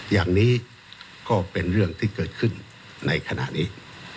อย่างนี้ก็เป็นเรื่องที่เกิดขึ้นในขณะนี้